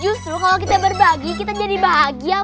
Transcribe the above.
justru kalau kita berbagi kita jadi bahagia